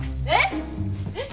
えっ！？